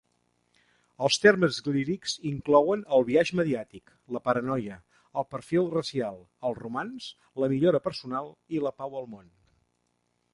Els temes lírics inclouen el biaix mediàtic, la paranoia, el perfil racial, el romanç, la millora personal i la pau al món.